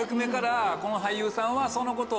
この俳優さんはそのことを。